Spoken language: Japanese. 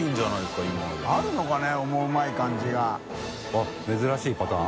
あっ珍しいパターン？